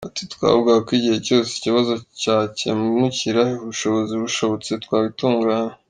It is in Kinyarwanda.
Ati “Twavugaga ko igihe cyose ikibazo cyakemukira, ubushobozi bushobotse twabitunganya.